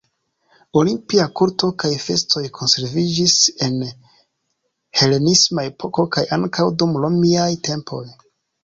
Olimpia kulto kaj festoj konserviĝis en helenisma epoko kaj ankaŭ dum romiaj tempoj.